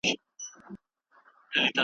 تاسو څنګه یو ښه انسان پېژندلای سئ؟